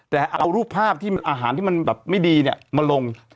แต่เอารูปภาพที่อาหารที่มันแบบไม่ดีมาลง